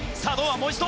もう一度！